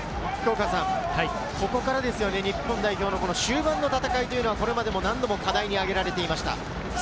ここからですよね、日本代表の終盤の戦い、これでも何度も課題にあげられていました。